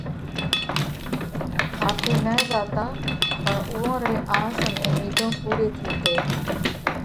هاٿي نہ زاتا پڻ اُوئون رئِي آس ان اُمِيڌون پُوري ٿيتي۔